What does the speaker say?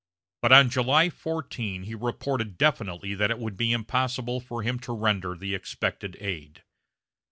But on July 14 he reported definitely that it would be impossible for him to render the expected aid.